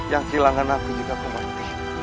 yang kehilangan aku juga pemain